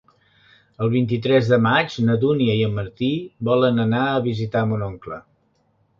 El vint-i-tres de maig na Dúnia i en Martí volen anar a visitar mon oncle.